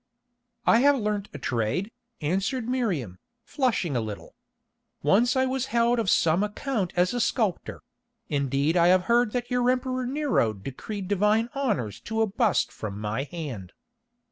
"I have learnt a trade," answered Miriam, flushing a little. "Once I was held of some account as a sculptor; indeed I have heard that your Emperor Nero decreed divine honours to a bust from my hand."